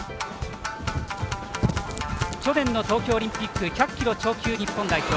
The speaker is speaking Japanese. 去年の東京オリンピック１００キロ超級、日本代表。